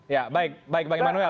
ya baik bang immanuel